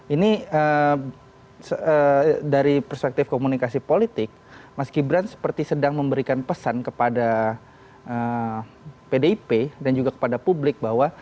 ini dari perspektif komunikasi politik mas gibran seperti sedang memberikan pesan kepada pdip dan juga kepada publik bahwa